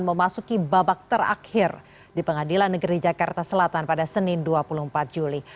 memasuki babak terakhir di pengadilan negeri jakarta selatan pada senin dua puluh empat juli